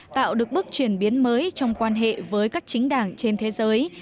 tạo được bước chuyển biến mới trong quan hệ với các chính đảng trên thế giới